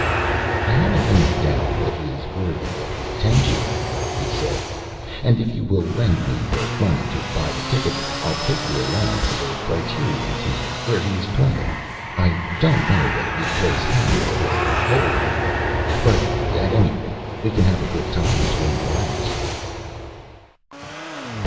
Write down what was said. "I haven't any doubt that he is worthy of the attention," he said; "and if you will lend me the money to buy the tickets, I'll take you around to the Criterion to night, where he is playing. I don't know whether he plays Hamlet or A Hole in the Roof; but, at any rate, we can have a good time between the acts."